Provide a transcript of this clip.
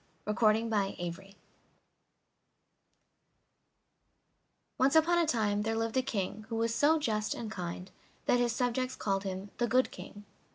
PRINCE DARLING ONCE upon a time there lived a king who was so just and kind that his subjects called him "the Good King."